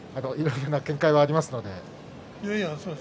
いろんな見解がありますので。